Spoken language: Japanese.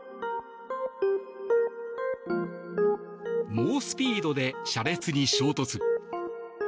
猛スピードで車列に衝突。